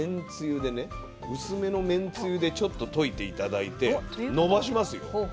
薄めのめんつゆでちょっと溶いて頂いてのばしますよ。